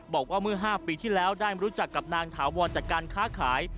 บอกว่าเมื่อ๕ปีที่แล้วได้รู้จักกับนางถาวรจากการค้าขาย